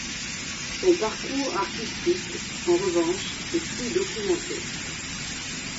Son parcours artistique en revanche est plus documenté.